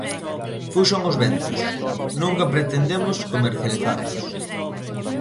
Fuxan os Ventos: "Nunca pretendemos comercializarnos".